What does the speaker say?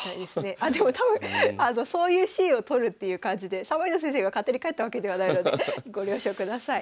あでも多分そういうシーンを撮るっていう感じで三枚堂先生が勝手に帰ったわけではないのでご了承ください。